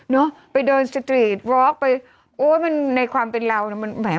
เนอะไปเดินสตรีตไปโอ้ยมันในความเป็นเราน่ะมันเหมือน